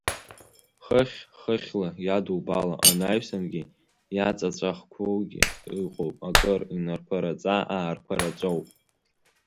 Хыхь-хыхьла иадубало анаҩсангьы иаҵаҵәахқәоугьы ыҟоуп, акыр инаркәараҵа-ааркәараҵоуп.